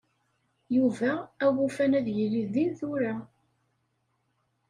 Yuba awufan ad yili din tura.